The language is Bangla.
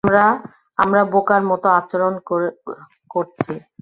আমরা বোকার মতো আচরণ করছি।